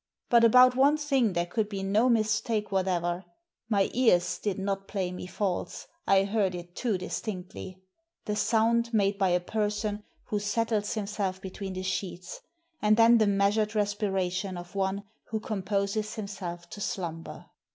But about one thing there could be no mistake whatever — my ears did not play me false, I heard it too distinctly — the sound made by a person who settles himself between the sheets, and then the measured respiration of one who com poses himself to slumber.